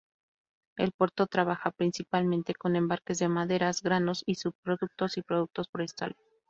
El puerto trabaja principalmente con embarques de maderas, granos y subproductos y productos forestales.